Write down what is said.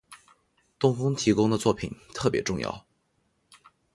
冬宫提供的作品特别重要。